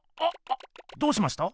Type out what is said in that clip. どうしました？